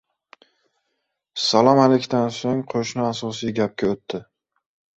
Salom-alikdan soʻng qoʻshni asosiy gapga oʻtdi: